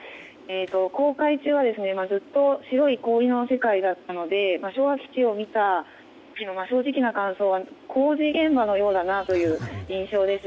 航海中はずっと白い氷の世界だったので昭和基地を見た時の正直な感想は工事現場のようだなという印象です。